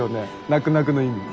「なくなく」の意味。